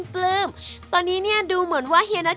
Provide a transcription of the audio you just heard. ตอนนี้ดูเหมือนว่าเหยียนท